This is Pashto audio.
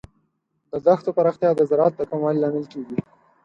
د دښتو پراختیا د زراعت د کموالي لامل کیږي.